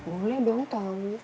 boleh biar kamu tau